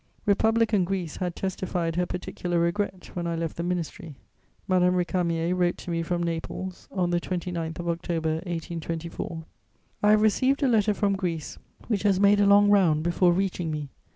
Republican Greece had testified her particular regret when I left the ministry. Madame Récamier wrote to me from Naples, on the 29th of October 1824: "I have received a letter from Greece which has made a long round before reaching me.